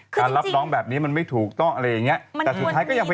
การรับน้องแบบนี้มันไม่ถูกต้องอะไรอย่างนี้